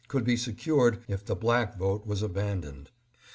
could be secured if the black vote was abandoned.